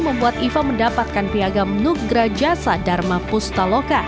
membuat iva mendapatkan piagam nugra jasa dharma pustaloka